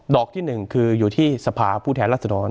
ดอกที่๑คืออยู่ที่สภาพภูมิแทนรัฐสดรรค์